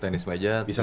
nah ya bisa